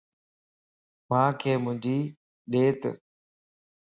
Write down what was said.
مانک منجي ڏيت